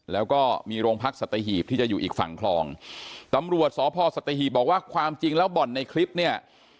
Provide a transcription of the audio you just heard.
แล้วก็มีโรงพักสัตหีบที่จะอยู่อีกฝั่งคลองตำรวจสพสัตหีบบอกว่าความจริงแล้วบ่อนในคลิปเนี่ย